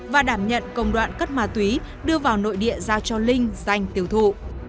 và đảm nhận công đoạn cất ma túy đưa vào nội địa giao cho linh danh tiêu thụ